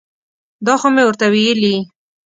دا خو مې ورته ویلي.